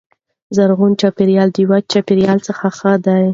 زرغون چاپیریال د وچ چاپیریال څخه ښه دی.